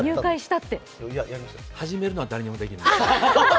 始めるのは誰でもできる。